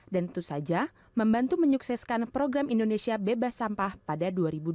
tentu saja membantu menyukseskan program indonesia bebas sampah pada dua ribu dua puluh